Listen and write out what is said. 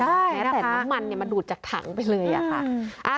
ใช่นะคะแผ่นน้ำมันมันดูดจากถังไปเลยค่ะ